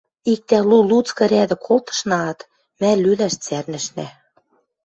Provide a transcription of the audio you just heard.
Иктӓ лу, луцкы рӓдӹ колтышнаат, мӓ лӱлӓш цӓрнӹшнӓ.